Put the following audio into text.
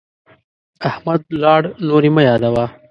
احمد ولاړ، نور يې مه يادوه.